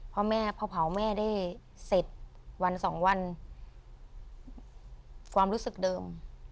พ่อแม่พอเผาแม่ได้เสร็จวันสองวันความรู้สึกเดิม